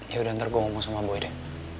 yaudah ntar gue ngomong sama boy deh